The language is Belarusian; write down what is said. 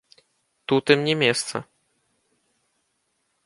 Тут ім не месца!